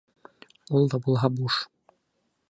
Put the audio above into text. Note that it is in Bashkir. Ул да булһа буш.